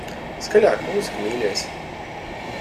Skaļāk mūziku, mīļais.